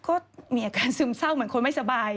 ก็มีอาการซึมเศร้าเหมือนคนไม่สบาย